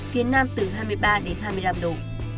phía nam từ hai mươi ba đến hai mươi năm độ